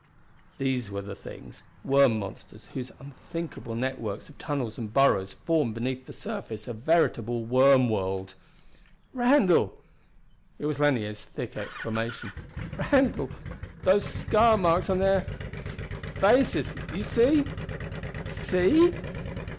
These were the things, worm monsters whose unthinkable networks of tunnels and burrows formed beneath the surface a veritable worm world! "Randall!" It was Lanier's thick exclamation. "Randall those scar marks on their faces you see ?" "See?"